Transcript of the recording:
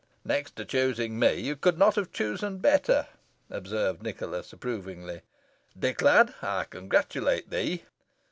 "Next to choosing me, you could not have chosen better," observed Nicholas, approvingly. "Dick, lad, I congratulate thee."